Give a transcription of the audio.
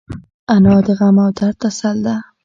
انا د غم او درد تسل ده